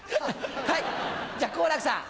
はいじゃあ好楽さん。